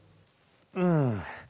うん。